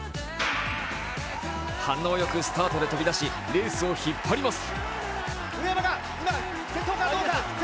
反応よくスタートで飛び出しレースを引っ張ります。